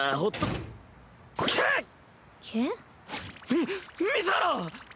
み水原！